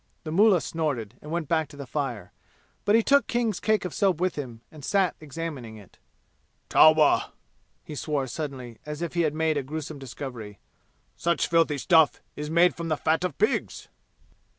The mullah snorted and went back to the fire, but he took King's cake of soap with him and sat examining it. "Tauba!" he swore suddenly as if he had made a gruesome discovery. "Such filthy stuff is made from the fat of pigs!"